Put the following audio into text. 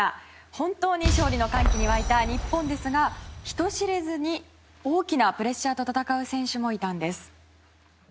本当に勝利の歓喜に沸いた日本ですが人知れずに大きなプレッシャーと戦う選手もいたんです。